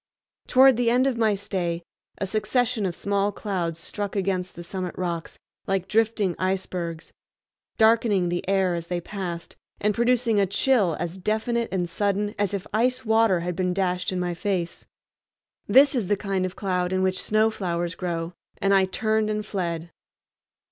Toward the end of my stay a succession of small clouds struck against the summit rocks like drifting icebergs, darkening the air as they passed, and producing a chill as definite and sudden as if ice water had been dashed in my face. This is the kind of cloud in which snow flowers grow, and I turned and fled.